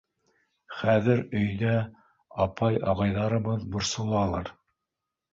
Хәҙер өйҙә апай-ағайҙарыбыҙ борсолалыр.